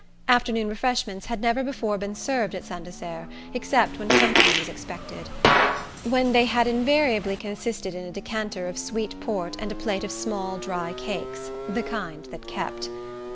Afternoon refreshments had never before been served at Saint Desert except when company was expected; when they had invariably consisted in a decanter of sweet port and a plate of small dry cakes the kind that kept.